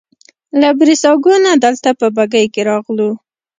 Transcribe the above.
له بریساګو نه دلته په بګۍ کې راغلو.